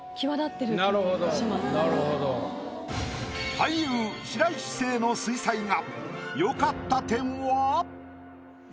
俳優白石聖の水彩画。